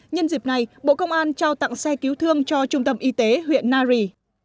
nhân dịp này bộ công an trao tặng xe cứu thương cho trung tâm y tế huyện nari